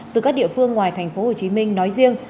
từ các địa phương ngoài tp hcm nói riêng